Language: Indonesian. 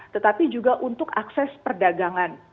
tetapi juga untuk akses perdagangan